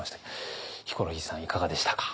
ヒコロヒーさんいかがでしたか？